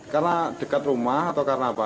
karena dekat rumah atau karena apa